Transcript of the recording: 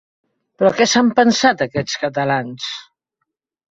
Però què s'han pensat, aquests catalans!